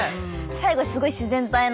最後すごい自然体な。